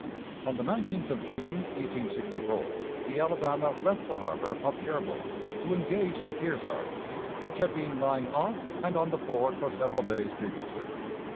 On the 19th of June, 1864, the Alabama left the harbor of Cherbourg to engage the Kearsarge, which had been lying off and on the port for several days previously.